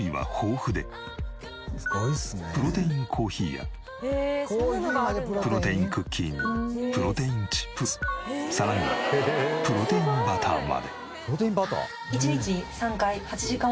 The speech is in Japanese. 家の至る所プロテインクッキーにプロテインチップスさらにプロテインバターまで。